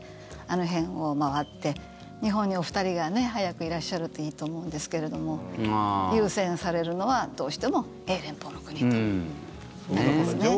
あの辺を回って日本にお二人が早くいらっしゃるといいと思うんですけれども優先されるのはどうしても英連邦の国ということですね。